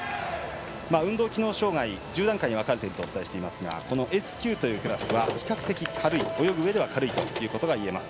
運動機能障がい１０段階に分かれているとお伝えしていますがこのＳ９というクラスは比較的泳ぐうえでは軽いということがいえます。